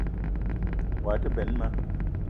Woua te benn ma